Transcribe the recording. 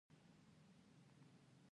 ایا زه باید دروند کار وکړم؟